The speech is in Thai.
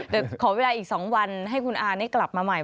เดี๋ยวขอเวลาอีกสองวันให้คุณอานี่กลับมาใหม่